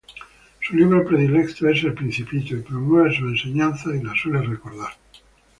Su libro predilecto es El Principito, promueve sus enseñanzas y las suele recordar.